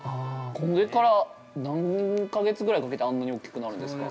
◆これから何か月ぐらいかけて、あんなに大きくなるんですか。